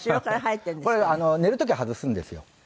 これ寝る時は外すんですよ。